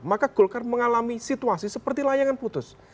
maka golkar mengalami situasi seperti layangan putus